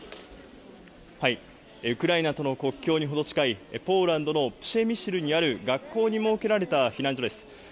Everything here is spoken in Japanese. ウクライナとの国境に程近い、ポーランドのプシェミシルにある学校に設けられた避難所です。